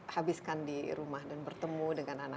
habiskan di rumah dan bertemu dengan anak anak